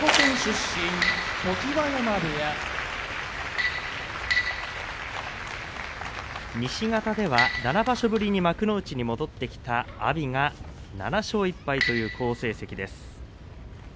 常盤山部屋西方では７場所ぶりに幕内に戻ってきた阿炎が７勝１敗という好成績です。